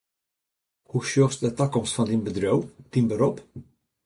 Hoe sjochst de takomst fan dyn bedriuw, dyn berop?